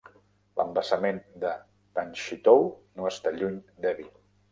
L'embassament de Panshitou no està lluny d'Hebi.